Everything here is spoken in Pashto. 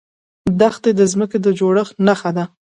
دښتې د ځمکې د جوړښت نښه ده.